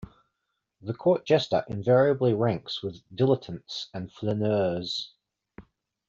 The court jester invariably ranks with dilettantes and flaneurs.